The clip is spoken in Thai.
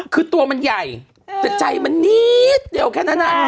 คือตัวมันใหญ่แต่ใจมันนิดเดียวแค่นั้น